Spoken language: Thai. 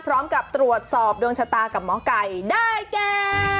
พร้อมกับตรวจสอบดวงชะตากับหมอไก่ได้แก่